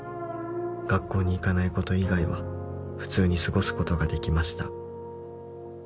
「学校に行かないこと以外は普通に過ごすことができました」